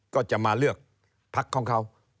ก็จะมาเลือกภัคดิ์ของเขา